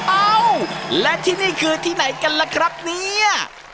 เอ้าและที่นี่คือที่ไหนกันล่ะครับเนี่ย